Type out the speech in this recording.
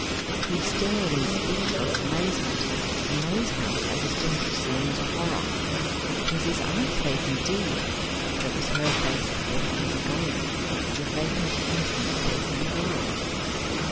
He stared in speechless amazement amazement that was dangerously near to horror. It was his aunt's face indeed, but it was her face of forty years ago, the vacant innocent face of a girl.